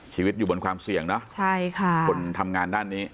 ชีวิตอยู่บนความเสี่ยงเนาะคนทำงานด้านนี้